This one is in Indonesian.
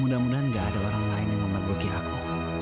mudah mudahan gak ada orang lain yang memergoki aku